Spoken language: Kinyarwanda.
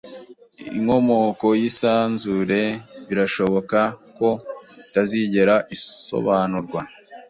Inkomoko yisanzure birashoboka ko itazigera isobanurwa.